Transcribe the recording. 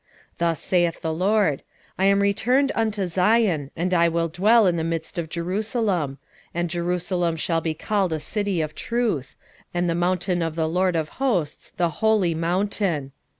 8:3 Thus saith the LORD; I am returned unto Zion, and will dwell in the midst of Jerusalem: and Jerusalem shall be called a city of truth; and the mountain of the LORD of hosts the holy mountain.